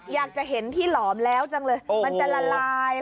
อยากจะเห็นที่หลอมแล้วจังเลยมันจะละลาย